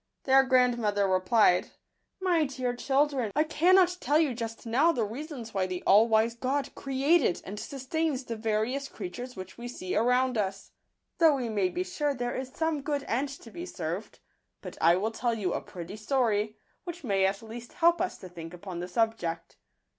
Their grandmother replied, "My dear children, I cannot tell you just now the reasons why the all wise God created and sustains the various creatures which we see around us, though we may be sure there is Digitized by Google some good end to be served ; but I will tell you a pretty story, which may at least help us to think upon the subject.